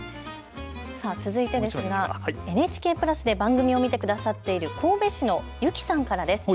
続いてですがＮＨＫプラスで番組を見てくださっている神戸市のゆきさんからです。